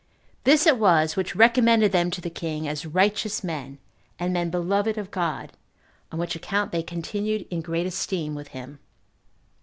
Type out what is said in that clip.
This it was which recommended them to the king as righteous men, and men beloved of God, on which account they continued in great esteem with him.